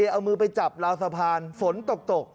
เอามือไปจับราวสะพานฝนตก